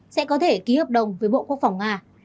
sẽ có thể ký hợp đồng với bộ quốc phòng nga